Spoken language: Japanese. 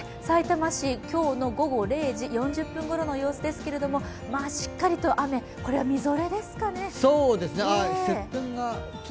さいたま市今日の午後０時４０分ごろの様子ですけれども、しっかりと雨、これはみぞれですかね？